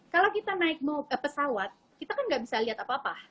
kalau kita naik pesawat kita kan nggak bisa lihat apa apa